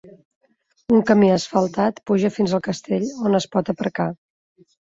Un camí asfaltat puja fins al castell, on es pot aparcar.